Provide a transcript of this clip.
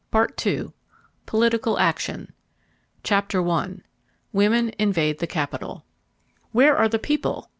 Part II Political Action Chapter 1 Women Invade the Capital Where are the people?"